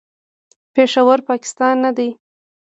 پېښور، پاکستان نه دی.